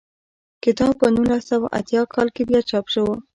کتاب په نولس سوه اتیا کال کې بیا چاپ شو.